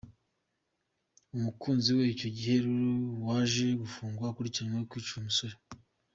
umukunzi we icyo gihe Lulu waje gufungwa akurikiranweho kwica uyu musore.